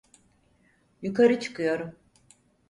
Yukarı çıkıyorum.